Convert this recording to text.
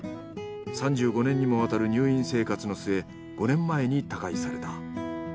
３５年にもわたる入院生活の末５年前に他界された。